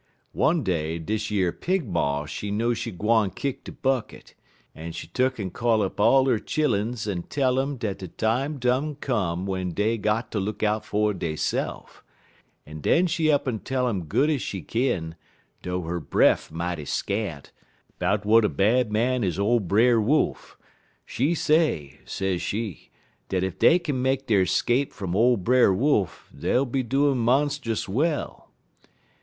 "One day, deze yer Pig ma she know she gwine kick de bucket, and she tuck'n call up all 'er chilluns en tell um dat de time done come w'en dey got ter look out fer deyse'f, en den she up'n tell um good ez she kin, dough 'er breff mighty scant, 'bout w'at a bad man is ole Brer Wolf. She say, sez she, dat if dey kin make der 'scape from ole Brer Wolf, dey'll be doin' monst'us well.